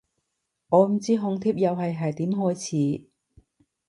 我唔知紅帖遊戲係點開始